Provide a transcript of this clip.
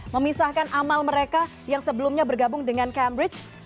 memisahkan amal mereka yang sebelumnya bergabung dengan cambridge